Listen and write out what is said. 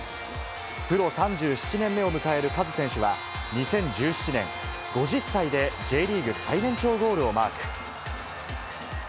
プロ３７年目を迎えるカズ選手は、２０１７年、５０歳でＪリーグ最年長ゴールをマーク。